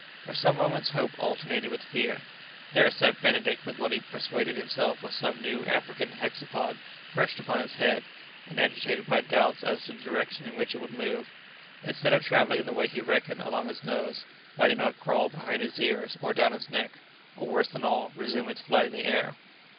For some moments hope alternated with fear. There sat Benedict with what he persuaded himself was some new African hexapod perched upon his head, and agitated by doubts as to the direction in which it would move. Instead of travelling in the way he reckoned along his nose, might it not crawl behind his ears or down his neck, or, worse than all, resume its flight in the air?